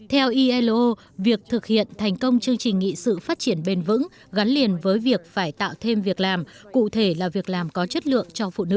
theo ilo việc thực hiện thành công chương trình nghị sự phát triển bền vững gắn liền với việc phải tạo thêm việc làm cụ thể là việc làm có chất lượng cho phụ nữ